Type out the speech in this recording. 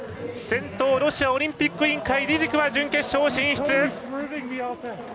先頭ロシアオリンピック委員会リジクは準決勝進出！